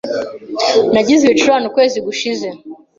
Nagize ibicurane ukwezi gushize.